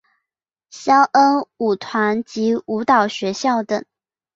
萧恩舞团及舞蹈学校等。